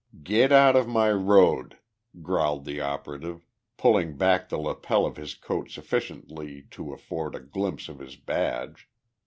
"Get out of my road!" growled the operative, pulling back the lapel of his coat sufficiently to afford a glimpse of his badge.